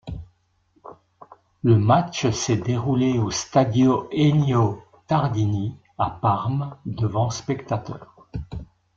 Le match s'est déroulé au Stadio Ennio Tardini à Parme devant spectateurs.